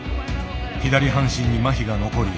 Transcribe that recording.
左半身にまひが残り